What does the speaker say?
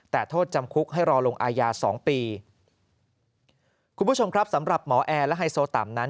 แต่โทษจำคุกให้รอลงอาญาสองปีคุณผู้ชมครับสำหรับหมอแอร์และไฮโซต่ำนั้น